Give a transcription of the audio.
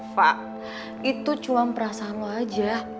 pak itu cuam perasaan lo aja